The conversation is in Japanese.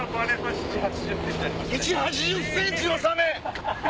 ７０８０ｃｍのサメ！